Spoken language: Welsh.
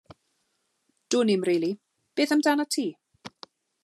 Dwnim, rili, beth amdanat ti?